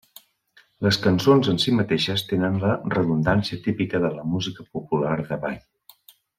Les cançons en si mateixes tenen la redundància típica de la música popular de ball.